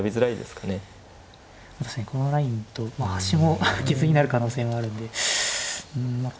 確かにこのラインとまあ端も傷になる可能性もあるんでうんまあ